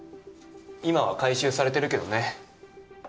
今は回収されてるけどね。